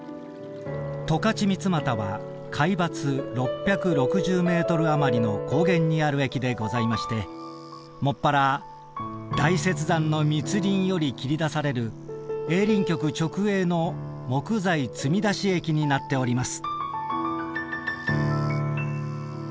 十勝三股は海抜６６０メートル余の高原にある駅でございましてもっぱら大雪山の密林より切り出される営林局直営の木材積み出し駅になっております」。